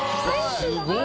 すごい。